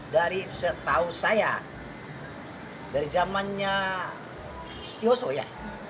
dari setahu saya dari zamannya setioso ya